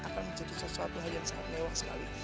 menuntut sesuatu yang sangat mewah sekali